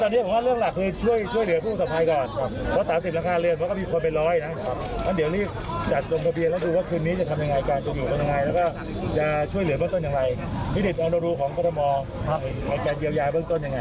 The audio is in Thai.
เดี๋ยวยายเบื้องต้นอย่างไรครับ